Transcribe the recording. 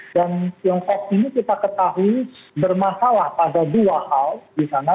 tiongkok ini kita ketahui bermasalah pada dua hal di sana